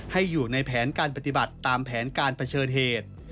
ให้อยู่ในแผนการปฏิบัติตามแผนการเผชิญเหตุ